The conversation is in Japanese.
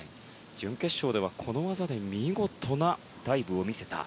準決勝ではこの技で見事なダイブを見せました。